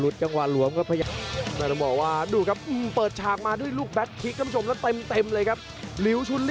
ตั้งเวลาครซ